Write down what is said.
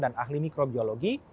dan ahli mikrobiologi